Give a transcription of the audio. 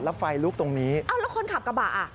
แล้วไฟลุกตรงนี้อ้าวแล้วคนขับกระบะอ่ะ